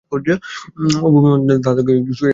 অপুর মনে হইল বাবা তাহাকে আরও কাছে সরিয়া যাইতে বলিতেছে।